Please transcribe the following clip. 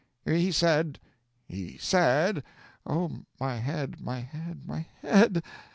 "'He said he said oh, my head, my head, my head!